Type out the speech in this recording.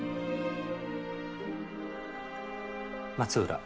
松浦。